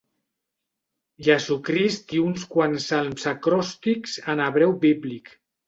Jesucrist i uns quants salms acròstics en hebreu bíblic.